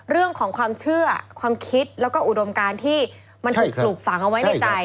เรื่องของความเชื่อความคิดแล้วก็อุดมการที่มันถูกปลูกฝังเอาไว้ในใจ